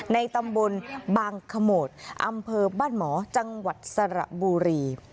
ในตำบลบางขโมดอำเภอบ้านหมอจังหวัดสระบุรี